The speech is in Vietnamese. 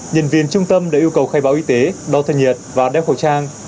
nhân viên trung tâm đã yêu cầu khai báo y tế đo thân nhiệt và đeo khẩu trang